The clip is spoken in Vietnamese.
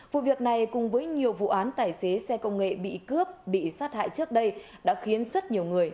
vụ việc này cùng với nhiều vụ án tài xế xe công nghệ bị cướp bị sát hại trước đây đã khiến rất nhiều người